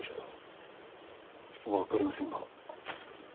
わかりませんがあっ。